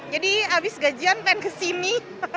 jadi abis gajian pengen kesini